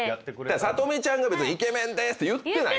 さと美ちゃんがイケメンですって言ってない。